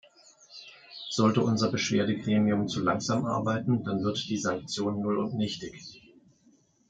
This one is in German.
Sollte unser Beschwerdegremium zu langsam arbeiten, dann wird die Sanktion null und nichtig.